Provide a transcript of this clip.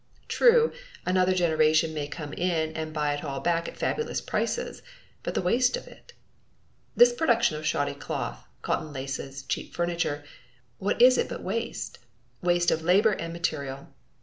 True, another generation may come in and buy it all back at fabulous prices, but the waste of it! This production of shoddy cloth, cotton laces, cheap furniture, what is it but waste! Waste of labor and material!